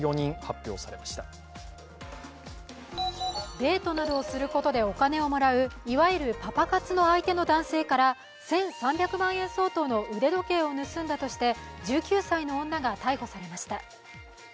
デートなどをすることでお金をもらういわゆるパパ活の相手の男性から１３００万円相当の腕時計を盗んだとして１９歳の女が逮捕されました。